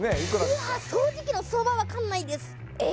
うわ掃除機の相場分かんないですええ